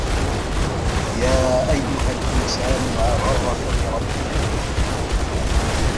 يا أَيُّهَا الإِنسانُ ما غَرَّكَ بِرَبِّكَ الكَريمِ